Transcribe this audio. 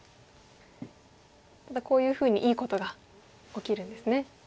ただこういうふうにいいことが起きるんですね。